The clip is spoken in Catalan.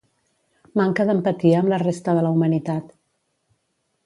Manca d'empatia amb la resta de la humanitat